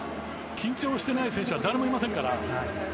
緊張してない選手は誰もいませんから。